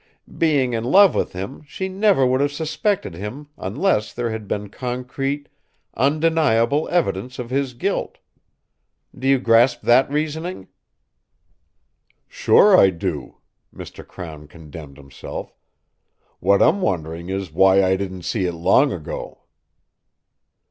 Being in love with him, she never would have suspected him unless there had been concrete, undeniable evidence of his guilt. Do you grasp that reasoning?" "Sure, I do!" Mr. Crown condemned himself. "What I'm wondering is why I didn't see it long ago."